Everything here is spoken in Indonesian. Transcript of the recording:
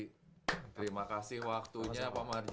terima kasih waktunya pak mardi